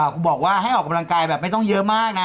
คุณบอกว่าให้ออกกำลังกายแบบไม่ต้องเยอะมากนะ